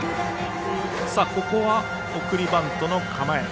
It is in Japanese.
ここは送りバントの構え。